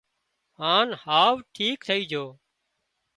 هانَ هاوَ ٺيڪ ٿئي جھو